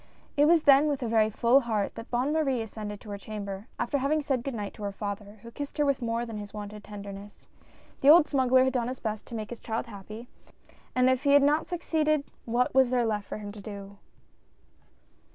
It was then with a very full heart that Bonne Marie ascended to her chamber after having said good night to her father, who kissed her with more than his wonted tenderness. The old smuggler had done his best to make his child happy, and if he had not succeeded what was there left for him to do